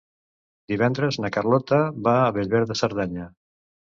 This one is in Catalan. Divendres na Carlota va a Bellver de Cerdanya.